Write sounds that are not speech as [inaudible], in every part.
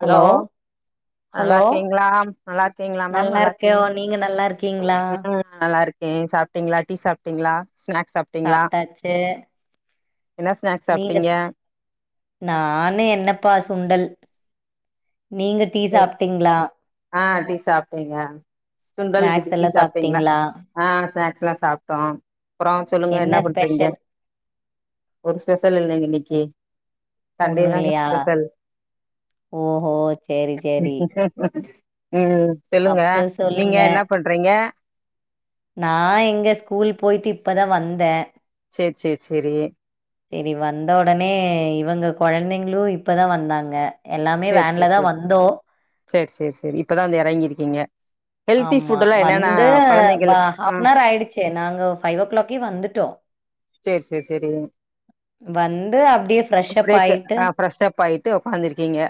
Hello நல்லா hello இருக்கீங்களா நல்லா இருக்கீங்களா மேம் நல்லா இருக்கே இருக்கீங்களா நீங்க நல்லா இருக்கீங்களா ம் நல்லா இருேன் சாப்ட்டீங்களா டீ சாப்பிட்டீங்களா ஸ்நாக்ஸ் சாப்ட்டீங்களா சாப்ட்டாச்சு என்ன ஸ்நாக்ஸ் நீங்க சாப்ட்டீங்க ஸ் நானு என்னப்பா சுண்டல் நீங்க டீ சரி சாப்ட்டீங்களா ஆ டீ சாப்ட்டங்க சுண்டல் வித் ஸ்நாக்ஸ் டீ எல்லா சாப்ட்டீங்களா ஆ ஸ்நாக்ஸ் எல்லா சாப்ட்டோம் அப்றம் சொல்லுங்க என்ன பண்றீங்க ஒரு ஸ்பெஷல் இல்லங்க இன்னைக்கு சண்டே தாங்க ஒன்னுலயா ஸ்பெஷல் ஓஹோ சேரி சேரி ம் சொல்லுங்க அப்றோ நீங்க சொல்லுங்க என்ன பண்றீங்க நா எங்க ஸ்கூல் போயிட்டு இப்பதா வந்த ச்செ ச்செ செரி சரி வந்த ஒடனே இவங்க குழந்தைங்ளு இப்பதா வந்தாங்க எல்லாமே வன்ல தா வந்தோ செரி செரி செரி இப்பதா வந்து யறங்கிருக்கீங்க ஆமா வந்து வா கொழந்தைகளுக்கு ஆ ஹாப்ன்வர் ஆயிடுச்சு நாங்க ஃபைவ் ஓ கிளாக்கே வந்துட்டோ செரி செரி செரிக் வந்து அப்டியே ஃப்ரெஷ் அப் அப்டி ஆயிட்டு அ ப்ரெஷ் அப் ஆய் ட்டு உக்காந்துருக்கீங்க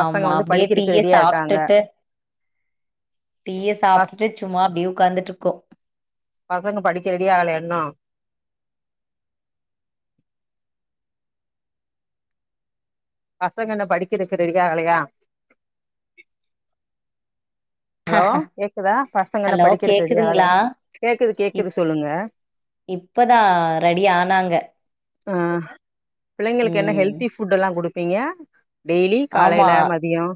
பசங்க ஆமா வந்து அப்டியே படிக்கறக்கு டீய ரெடியா இருக்காங்க சாப்ட்டுட்டு டீய பஸ் சாப்டுட்டு சும்மா அப்டியே ஓக்காந்துட்ருக்கோ பசங்க படிக்க ரெடியாகலயா இன்னு பசங்க இன்னு படிக்கறக்கு ரெடியா அகலையா ஹலோ கேக்குதுங்ளா கேக்குது கேக்குது இப் சொல்லுங்க இப்பதா ரெடி ஆனாங்க ஆ பிள்ளைங்களுக்கு என்ன ம் ஹெல்த்தி ஃபுட்டல்லா குடுப்பீங்க டெய்லி ஆமா காலைல மதியோ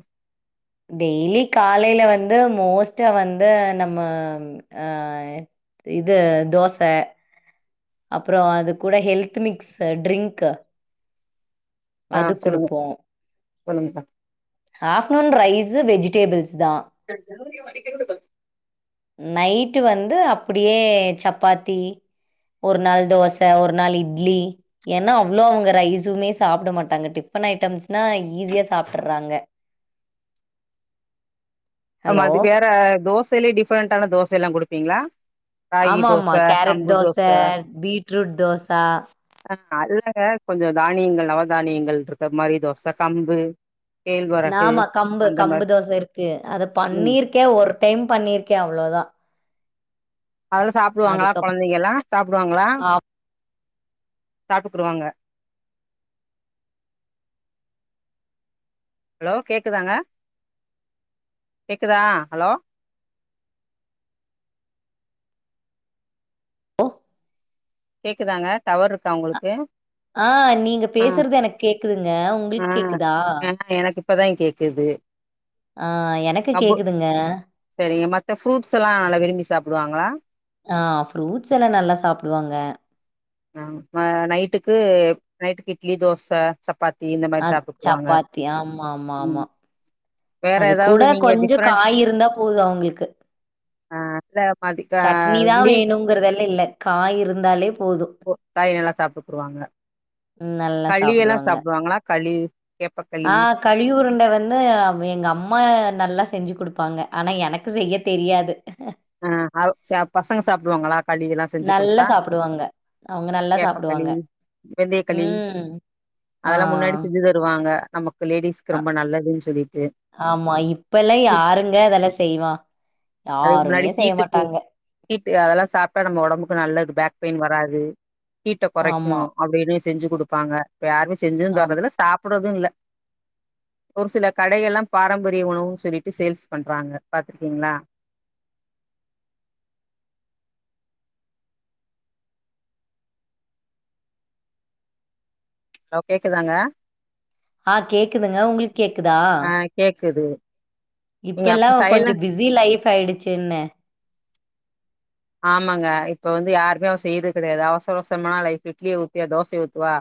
டெய்லி காலைல வந்து மோஸ்டா வந்து நம்ம ஆ இது தோச அப்றோ அது கூட ஹெல்த் மிக்ஸு ட்ரிங்க்கு ஆ அது சொல்லுங்க குடுப்போ சொல்லுங்கக்கா ஹாப்நூன் ரைஸ் வெஜிடேபிள்ஸ் தா [unintelligible] நைட்டு வந்து அப்டியே சப்பாத்தி ஒரு நாள் தோச ஒரு நாள் இட்லி ஏன்னா அவ்ளோ அவங்க ரைஸுமே சாப்ட மாட்டாங்க டிஃபன் ஐட்டம்ஸ்னா ஈஸியா சாப்ட்டுறாங்க ஆமா ஹலோ அது வேற தோசலியே டிஃப்ரெண்டான தோசல்லா குடுப்பீங்களா ராகி ஆமா தோச ஆமா கேரட் கம்பு தோச பீட்ரூட் தோசா அது இல்லங்க கொஞ்சோ தானியங்கள் நவதானியங்கள் இருக்க மாரி தோச கம்பு கேழ்வரகு நாம கம்பு அந்த கம்பு மாரி தோச இருக்கு அத ம் பண்ணிருக்கே ஒரு டைம் பண்ணிருக்கே அவ்ளோதா அதெல்லா சாப்டுவாங்களா அதுக்கப் குழந்தைங்கலா சாப்டுவாங்களா ஆ சாப்டுக்குறுவாங்க ஹலோ கேக்குதாங்க கேக்குதா ஹலோ கேக்குதாங்க டவர் இருக்கா உங்களுக்கு ஆ நீங்க ஆ பேசுறது எனக்கு கேக்குதுங்க ஆ உங்ளுக்கு கேக்குதா ஆ எனக்கு இப்பதா கேக்குது ஆ எனக்கு கம்பு கேக்குதுங்க சரிங்க மத்த ஃப்ரூட்ஸ்ல்லா நல்லா விரும்பி சாப்டுவாங்களா ஆ ஃப்ரூட்ஸ் எல்லா நல்லா சாப்டுவாங்க ஆ நைட்டுக்கு நைட்டுக்கு இட்லி தோச சப் ப்பாத்தி இந்த மாரி அ சாப்டுக்குவாங்க சப்பாத்தி ஆமா ஆமா ம் ஆமா வேற அது ஏதாவது கூட நீங்க கொஞ்சோ டிஃப்ரெண்ட் காய் இருந்தா போது அவங்ளுக்கு ஆ இந்த மாதி சட்னி தா வேணுங்கிறதல்லா இல்ல காய் இருந்தாலே போது காய் நல்லா சாப்டுக்குறுவாங்க ம் நல்லா சாப்டுவாங்க களி ஆ கேப்பக்களி கலியுருண்ட வந்து எங்க அம்மா நல்லா செஞ்சு குடுப்பாங்க ஆனா எனக்கு செய்ய தெரியாது ஆ அவு ச பசங்க சாப்டுவாங்களா களி எல்லா செஞ்சு நல்லா குடுத்தா சாப்டுவாங்க அவங்க நல்லா கேப்பக்களி சாப்டுவாங்க வெந்தயக்களி ம் ஆ அதெல்லா முன்னாடி செஞ்சு தருவாங்க நம்ம அ ரொம்ப நல்லதுன் சொல்லி ஆமா இப்பெல்லா யாருங்க அதெல்லா செய்வா யாருமே செய்ய மாட்டாங்க ஹிட்டு அதெல்லா சாப்பிட்டா நம்ம உடம்புக்கு நல்லது பேக் பெயின் வராது ஹிட்டே குறைக்கு ஆமா அப்டின்னு செஞ்சு கொடுப்பாங்க இப்ப யாமே செஞ்சு ஆம் தாரதில்ல சாப்பிடறது இல்ல ஒரு சில கடைகள்ல்லா பாரம்பரிய உணவுனு சொல்லிட்டு சேல்ஸ் பண்றாங்க பாத்துருக்கீங்களா ஹாலோ கேக்குதாங்க ஆ கேக்குதுங்களா உங்களுக்கு கேக்குதா ஆ கேக்குது நீங்க இப்பெல்லா அப்ப சைலண்ட் கொஞ்சோ பிஸி லைஃப் ஆயிடுச்சு என்ன ஆமாங்க இப்ப வந்து யாருமே அவ செய்றது கிடையாது அவசரவசரமா நைட்டு இட்லியே ஊத்தி தோசைய ஊத்து வா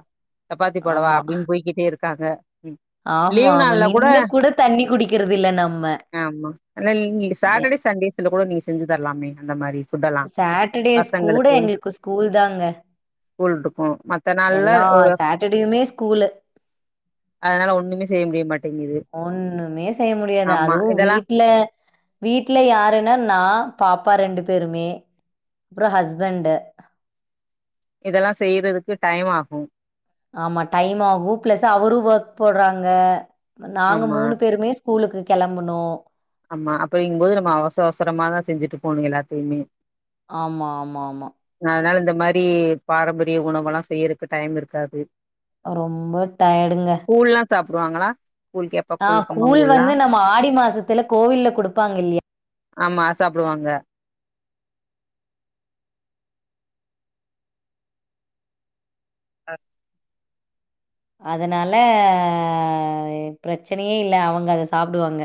சப்பாத்தி போடவா ஆமா அப்டின்னு போய்கிட்டே இருக்காங்க ம். ஆமா லீவ் நாள்ல நின்னு கூட தண்ணி குடிக்கிறது இல்ல நம்ம ஆமா ஆன நீங்க சாட்டடே சண்டேஸ்ல கூட நீங்க செஞ்சு தரலாமே அந்த மாரி ஃபுட்டெல்லாம். சட்டர்டேஸ் கூட பசங்களுக்கு எங்களுக்கு ஸ்கூல் தாங்க ஸ்கூல் இருக்கு எல்லா சாட்டர்டேயுமே ஸ்கூலு அதனால ஒண்ணுமே செய்ய முடிய மாட்டி ஒண்ணுமே செய்ய முடியாது ஆமா. அதுவு இதெல்லாம் வீட்டுல வீட்டு்ல யாருன்னா நா பாப்பா ரெண்டு பேருமே அப்பற ஹஸ்பண்ட் இதெல்லா செய்றதுக்கு டைம் ஆகு ஆமா டைம் ஆகு பிளஸ் அவரு ஒர்க் போறாங்க நாங்க ஆமா, மூணு பேருமே ஸ்கூலுக்கு கிளம்பணு ஆமா அப்டிங்குபோது நம்ம அவசர அவசரமாதா செஞ்சுட்டு போகணு எல்லாத்தையுமே ஆமா ஆமா ஆமா அதுனால இந்த மாரி பாரம்பரிய உணவல்லா செய்யறக்கு டையம் இருக்காது ரொம்ப டயர்டுங்க கூழ்ல்லா சாப்புடுவாங்களா கூழ் கேப்ப கூழ் கம்பங்கூழ்ல்லா ஆமா ஆடி மாசத்துல கோவில்ல குடுப்பாங்க இல்லையா ஆமா அத் சாப்புடுவாங்க அ அதுனால பிரச்சனையே இல்ல அவுங்க அத சாப்புடுவாங்க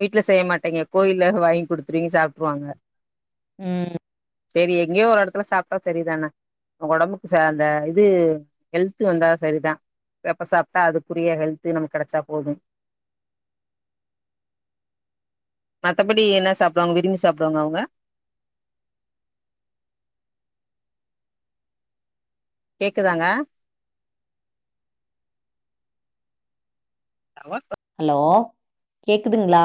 வீட்ல செய்ய மாட்டெங்கெ கோயில்ல வாங்கி் குடுத்துருவிங்க சாப்ட்ருவாங்க ம் சேரி எங்கெயோ ஒரு எடத்துல சாப்ட்டா செரிதான ஒ ஒடம்புக்கு ச அந்த இது ஹெல்த்து வந்தா சரிதா எப்ப சாப்ட்டா அதுக்குரிய ஹெல்த்து நமக் கெடச்சா போது மத்தபடி என்ன சாப்டுவாங்க விரும்பி சாப்டுவாங்க அவுங்க கேக்குதாங்க [unintelligible] ஹலோ கேக்குதுங்ளா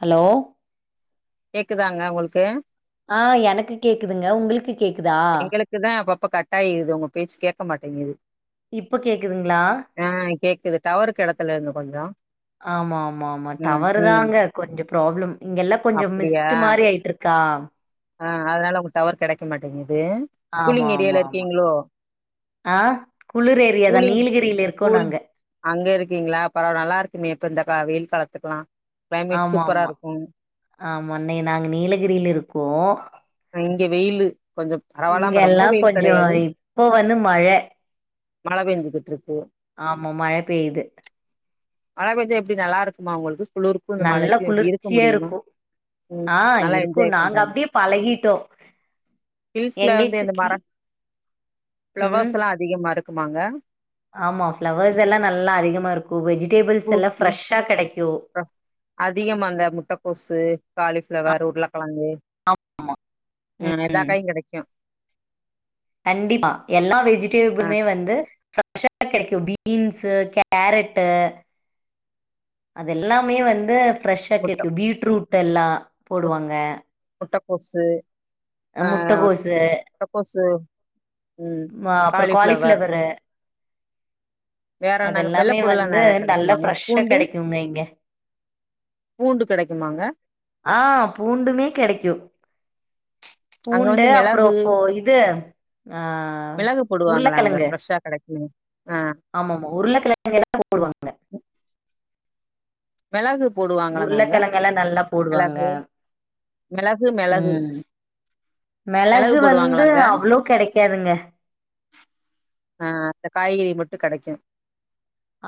ஹலோ கேக்குதாங்க ஒங்களுக்கு ஆ எனக்கு கேக்குதுங்க உங்களுக்கு கேக்குதா க்குதா அப்பப்ப கட் ஆயிர்து உங்க பேச்சு கேட்க மாட்டேங்கிது இப்ப கேக்குதுங்ளா அ கேக்குது டவருக்க எடத்துல இருங்க கொஞ்சொ ஆமா ஆமா ஆமா டவரு தாங்க கொஞ்சொ ப்ராப்ளம் இங்க எல்லா கொஞ்சொ மிஸ்ட்டு மாரி ஆயித்துட்ருக்கா அ அதுனால உங்க டவர் கெடைக்க மாட்டேங்கிது ஆமா ஆமா ஆமா ஆ குளுர் ஏரியாதா கூலிங் நீலகிரில இருக்கோ கூல் நாங்க அங்க இருக்கீங்ளா பரவால நல்லா இருக்குமே இப்போ இந்த கா வெயில் காலத்துக்குலா ஆமா ஆமா ஆமா இன்னகி நாங்க நீலகிரில இருக்கோ இங்க வெயிலு கொஞ்சொ இங்க எல்லா கொஞ்சொ இப்போ வந்து மழ மழ பெஞ்சுகிட்டு இருக்கு ஆமா மழ பேயுது மழ கொஞ்சொ எப்டி நல்லா இருக்குமா ஒங்களுக்கு குளு நல்ல குளுர்ச்சியா இருக்கு ம் ஆ நல்லா இருக்கு என்ஜாய் நாங்க பண்றாங்க அப்டியே பழகிட்டோ ஹில்ஸ்ல வந்து எங்களுக்கு இந்த கி மரொ ம் பிளவர்ஸ்ல்லா அதிகமா இருக்குமாங்க ஆமா ஃப்ளவர்ஸ் எல்லா நல்லா அதிகமா இருக்கு வெஜிடேபிள்ஸ் எல்லா ஃப்ரூட்ஸு ஃப்ரெஷ்ஷா கெடைக்கு அதிகமா அந்த முட்டக்கோசு காலிஃப்ளவர் உருள கெழங்கு ம் எல்லா காயு கெடைக்கு கண்டிப்பா எல்லா ஆ வெஜிடேப்ளுமே வந்து ஃப்ரெஷ்ஷா கெடைக்கு பீன்ஸ்ஸு கேரட்டு அது எல்லாமே வந்து ஃப்ரெஷ்ஷா முட்ட கெக்கு பீட்ரூட் எல்லா போடுவாங்க முட்டக்கோசு அ [inaudible] முட்டகோசு முட்டக்கோசு ம் அப்றோ காலிஃப்ளவர் காலிஃப்ளவரு அது வேறன்னாங்க எல்லாமே வெள்ளப்பூடல்லா வந்து நெறைய நல்லா கெடைக்குமாங்க ஃப்ரெஷ்ஷா பூண்டு கெடைக்குங்க இங்க பூண்டு கெடைக்குமாங்க ஆ பூண்டுமே கெடைக்கு அங்க பூண்டு வந்து அப்பறொ மிளகு இப்போ இது ஆ மிளகு போடுவாங்களா அங்க உருளக்கெழங்கு ஃப்ரெஷ்ஷா கெடைக்கு ஆ ஆமாமா உருளை கிழங்க எல்லா போடுவாங்க மெளகு போடுவாங்களாங்க அங்க உருளக்கெழங்கெல்லா நல்லா போடுவாங்க மெளகு மெளகு மெளகு ம் மெளகு வந்து அவ்ளோ கெடைக்காதுங்க ஆ அந்த காய்கறி மட்டு கெடைக்கு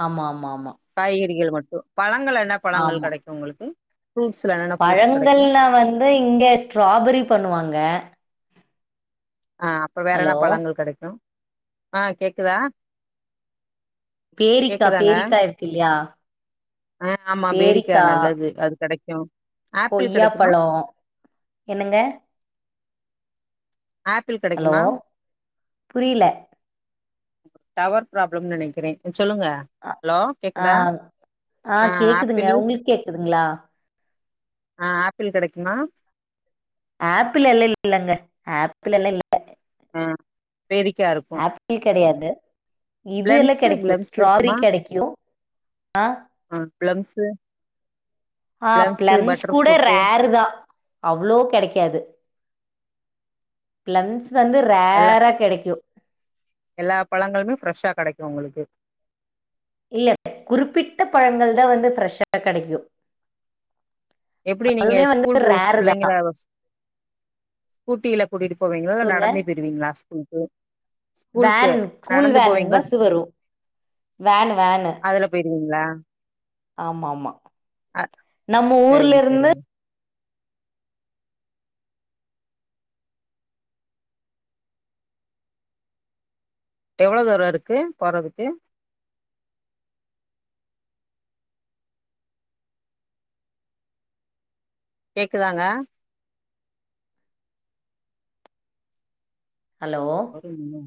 ஆமா ஆமா ஆமா காய்கறிகள் மட்டு பழங்கள் என்ன பழங்கள் ஆமா. கெடைக்கு உங்களுக்கு ஃப்ரூட்ஸ்ல என்னென்ன ஃப்ரூட்ஸ் கெடைக்கு ஏ இங்க ஸ்ட்ராபெரி பண்ணுவாங்க ஆ அப்ப வேற என்ன ஹலோ பழங்கள் கெடைக்கு ஆ கேக்குதா பேரிக்கா கேக்குதாங்க பேரிக்கா இருக்கு இல்லையா ஆ ஆமா பேரிக்கா நல்லது அது கெடைக்கு ஆப்பிள் கெடைக்குமா கொய்யாப்பழோ என்னங்க ஆப்பிள் ஹலோ கெடைக்குமா புரியல டவர் ப்ராப்ளம்னு நெனைக்கிறே சொல்லுங்க அ ஹலோ ஆ கேக்குதா ஆ கேக்குதுங்க. ஆப்பிளு உங்களுக்கு கேக்குதுங்களா? ஆ ஆப்பிள் கெடைக்குமா ஆப்பிள் எல்லா இல்லங்க ஆப்பிள் எல்லாம் இல் ம் பேரிக்காருக் ஆப்பிள் கெடையாது இது எல்லா பிளம்ஸு கெடைக்கு பிளம்ஸ் ஸ்ட்ராபெரி இருக்குமா கெடைக்கு ஆ ப்ளம்ஸு ஆ பிளம்ஸ் கூட ஃப்ரூட்டு ரேரு தா அவ்ளோ கெடைக்காது பிளம்ஸ் வந்து எல்லா ரேரா கெடைக்கு எல்லா பழங்களுமே ஃப்ரெஷ்ஷா கெடைக்கு உங்களுக்கு இல்ல குறிப்பிட்ட பழங்கள் தா வந்து ஃப்ரெஷ்ஷா கெடைக்கு எப்படி நீங்க வந்து ஸ்கூல் கூல் ரேர் தான் பிள்ளைங்கள வச் ஸ்கூட்டில கூட்டிகிட்டு போவீங்களா இல்ல சொல்லுங்க நடந்தே போயிடுவீங்களா ஸ்கூலுு ஸ்கூலக்கு வேன் நடந்து போவிங்களா வேனு வேனு அதுல போயிருவீங்களா ஆமா ஆமா அ நம்ம ஊர்ல சரிங்க இருந்து சரிங்க எவ்ளோ தூர இருக்கு போறதுக்கு கேக்குதாங்க ஹலோ ஒரே